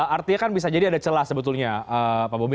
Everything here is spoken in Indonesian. artinya kan bisa jadi ada celah sebetulnya pak bobi